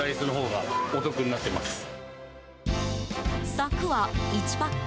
柵は１パック